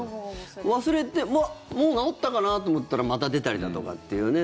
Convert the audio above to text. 忘れて、もう治ったかなと思ったらまた出たりだとかっていうね